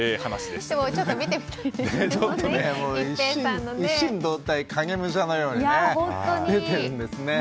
でもちょっと見てみたいですよね。